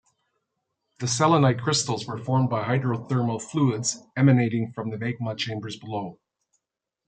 The selenite crystals were formed by hydrothermal fluids emanating from the magma chambers below.